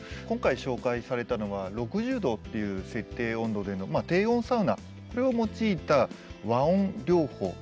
今回紹介されたのは６０度っていう設定温度での低温サウナこれを用いた和温療法